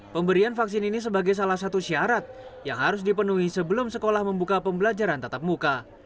pemberian vaksin ini sebagai salah satu syarat yang harus dipenuhi sebelum sekolah membuka pembelajaran tatap muka